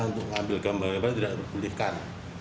nah untuk mengambil gambar mewah tidak bolehkan